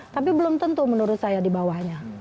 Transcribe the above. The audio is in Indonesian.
tapi belum tentu menurut saya di bawahnya